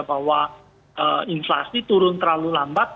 bahwa inflasi turun terlalu lambat